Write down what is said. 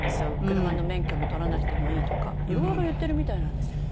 「車の免許も取らなくてもいい」とかいろいろ言ってるみたいなんですよ。